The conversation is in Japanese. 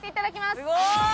すごーい！